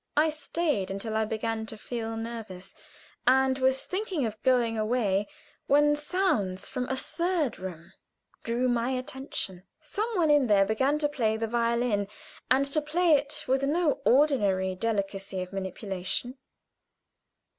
I stayed until I began to feel nervous, and was thinking of going away when sounds from a third room drew my attention. Some one in there began to play the violin, and to play it with no ordinary delicacy of manipulation.